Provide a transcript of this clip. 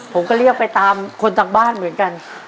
ผมก็เรียกไปตามคนทางบ้านเหมือนกัน